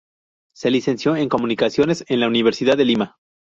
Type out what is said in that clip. Se licenció en Comunicaciones en la Universidad de Lima.